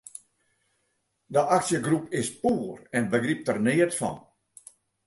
De aksjegroep is poer en begrypt der neat fan.